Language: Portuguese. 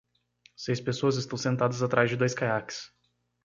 Seis pessoas estão sentadas atrás de dois caiaques.